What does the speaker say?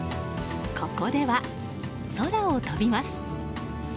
ここでは、空を飛びます。